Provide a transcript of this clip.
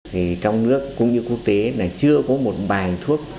thì trong nước cũng như quốc tế là chưa có một bài thuốc